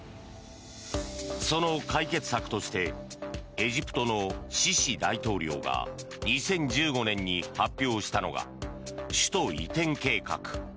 その解決策としてエジプトのシシ大統領が２０１５年に発表したのが首都移転計画。